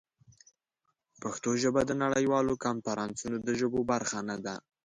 پښتو ژبه د نړیوالو کنفرانسونو د ژبو برخه نه ده.